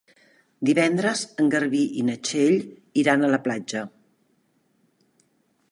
Divendres en Garbí i na Txell iran a la platja.